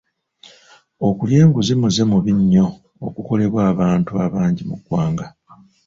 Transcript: Okulya enguzi muze mubi nnyo ogukolebwa abantu abangi mu ggwanga.